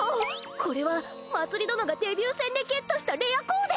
これはまつり殿がデビュー戦でゲットしたレアコーデ！